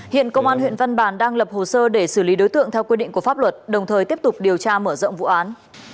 hiện công an huyện văn bàn đang lập hồ sơ để xử lý đối tượng theo quy định của pháp luật đồng thời tiếp tục điều tra mở rộng vụ án